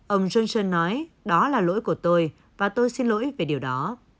ông johnson nói đó là lỗi của tôi và tôi xin lỗi về điều đó